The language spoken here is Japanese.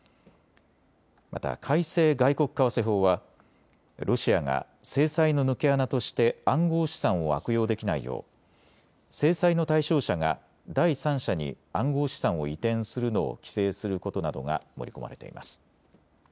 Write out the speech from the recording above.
また改正外国為替法はロシアが制裁の抜け穴として暗号資産を悪用できないよう制裁の対象者が第三者に暗号資産を移転するのを規制することなどが盛り込まれています。